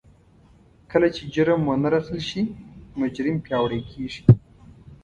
کله چې جرم ونه رټل شي مجرم پياوړی کېږي.